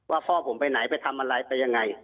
พ่อผมไปไหนไปทำอะไรไปยังไง